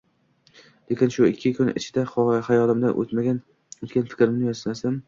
lekin shu ikki kun ichida xayolimdan o‘tgan fikrlarimni yozmasam